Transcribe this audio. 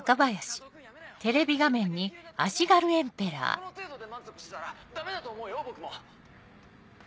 この程度で満足してたらダメだと思うよ僕も。